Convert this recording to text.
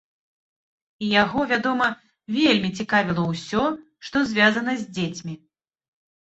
І яго, вядома, вельмі цікавіла ўсё, што звязана з дзецьмі.